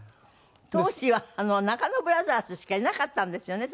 当時は中野ブラザーズしかいなかったんですよね。